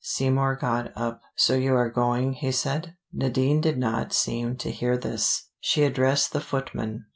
Seymour got up. "So you are going," he said. Nadine did not seem to hear this. She addressed the footman.